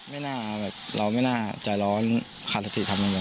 ไม่น่าเราไม่น่าใจร้อนขาดสถิติทำยังไง